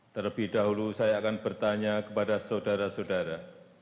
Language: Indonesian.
terlebih dahulu saya akan bertanya kepada saudara saudara